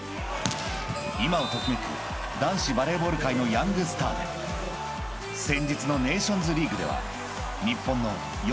［今を時めく男子バレーボール界のヤングスターで先日のネーションズリーグでは日本の］